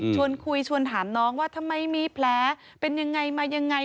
ชวนคุยชวนถามน้องว่าทำไมมีแผลเป็นยังไงมายังไง